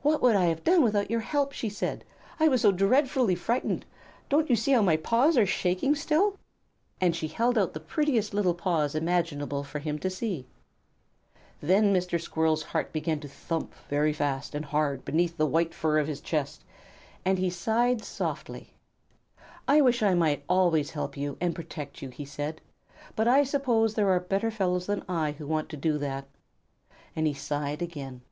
"What would I have done without your help?" she said. "I was so dreadfully frightened. Don't you see how my paws are shaking still?" And she held out the prettiest little paws imaginable for him to see. Then Mr. Red Squirrel's heart began to thump very fast and hard beneath the white fur of his chest, and he sighed softly. "I wish I might always help you and protect you," he said; "but I suppose there are better fellows than I who want to do that." And he sighed again.